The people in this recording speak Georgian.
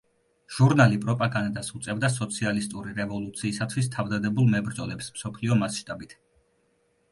ჟურნალი პროპაგანდას უწევდა სოციალისტური რევოლუციისათვის თავდადებულ მებრძოლებს მსოფლიო მასშტაბით.